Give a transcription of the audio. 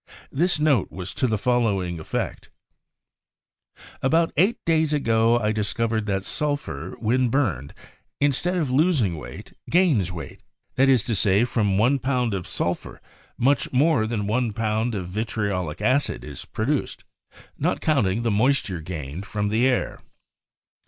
This note was to the fol lowing effect: "About eight days ago I discovered that sulphur, when burned, instead of losing weight, gains weight; that is to say, from one pound of sulphur much more than one pound of vitriolic acid is produced, not counting the mois ture gained from the air.